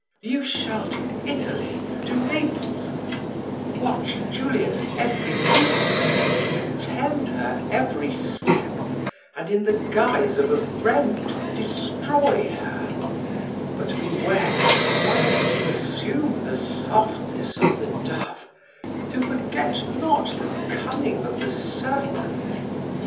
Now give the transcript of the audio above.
You shall to Italy to Naples watch Julia's every movement, attend her every step, and in the guise of a friend destroy her: but beware, whilst you assume the softness of the dove, to forget not the cunning of the serpent.